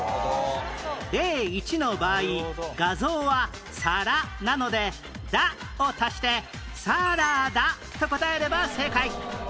例１の場合画像は「さら」なので「だ」を足して「サラダ」と答えれば正解